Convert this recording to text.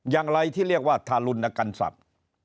อย่างไรที่เรียกว่าทารุณกรรมสัตว์